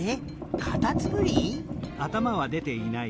カタツムリ？